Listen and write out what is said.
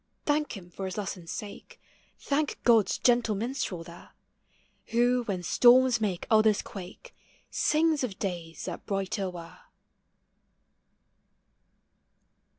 Thank him for his lesson's sake, Thank God's gentle minstrel there, Who, when storms make others quake, Sings of days that brighter were.